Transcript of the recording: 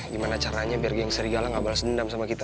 gimana caranya biar geng serigala gak balas dendam sama kita